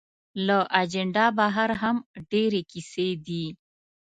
له اجنډا بهر هم ډېرې کیسې دي.